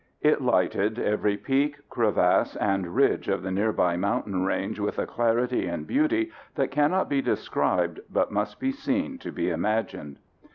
It lighted every peak, crevasse and ridge of the nearby mountain range with a clarity and beauty that cannot be described but must be seen to be imagined..."